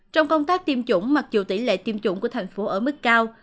trong công tác tiêm chủng mặc dù tỷ lệ tiêm chủng của thành phố ở mức cao